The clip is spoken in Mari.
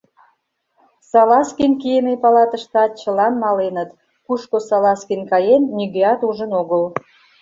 Салазкин кийыме палатыштат чылан маленыт, кушко Салазкин каен — нигӧат ужын огыл.